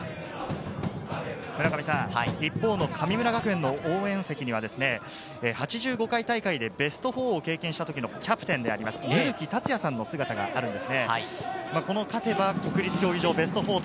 一方の神村学園の応援席には、８５回大会でベスト４を経験した時のキャプテンであります、ゆうきたつやさんの姿があるんです。